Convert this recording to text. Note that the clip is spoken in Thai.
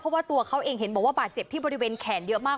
เพราะว่าตัวเขาเองเห็นบอกว่าบาดเจ็บที่บริเวณแขนเยอะมาก